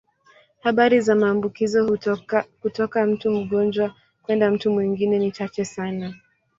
Habari za maambukizo kutoka mtu mgonjwa kwenda mtu mwingine ni chache sana.